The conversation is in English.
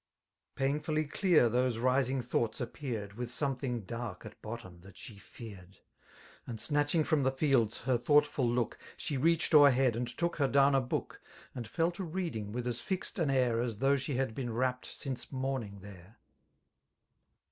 Painfully clear those rising thoughts appeared. With something dark at bottom that she feared; 74 And snatehiiig from, the fiddi her thoughtful look/ She reachod o'er head, and took her down a faook> And fell to reading with as fixed an air^ As though she had been wrapt since morning there.